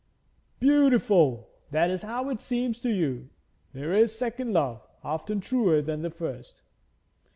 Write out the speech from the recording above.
'Beautiful, that is how it seems to you. There is second love, often truer than the first.'